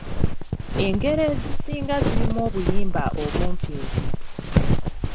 Engero ezisinga zirimu obuyimba obumpimpi.